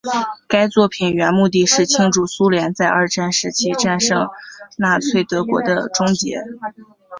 该作品原目的是庆祝苏联在二战时期战胜纳粹德国的终结。